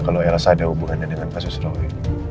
kenapa elsa ada hubungannya dengan pak susrawi